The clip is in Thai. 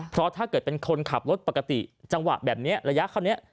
เพราะถ้าเกิดเป็นคนขับรถปกติจังหวะแบบนี้ระยะคราวนี้